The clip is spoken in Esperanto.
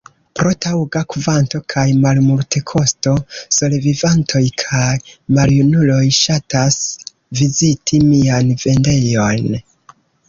Pro taŭga kvanto kaj malmultekosto solevivantoj kaj maljunuloj ŝatas viziti mian vendejon.